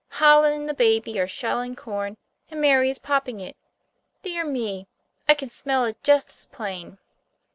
"Holland and the baby are shelling corn, and Mary is popping it. Dear me! I can smell it just as plain!